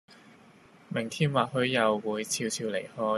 明天或許又會俏俏離開